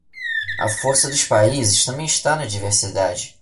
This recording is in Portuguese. A força dos países também está na diversidade